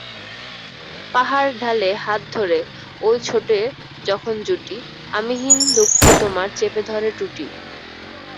পাহাড় ঢালে হাত ধরে ওইছোটে যখন জুটি, আমি হীন দুঃখ তোমারচেপে ধরে টুটি।